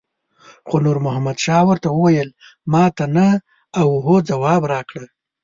خو نور محمد شاه ورته وویل ماته نه او هو ځواب راکړه.